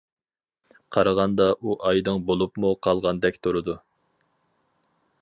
قارىغاندا ئۇ ئايدىڭ بولۇپمۇ قالغاندەك تۇرىدۇ.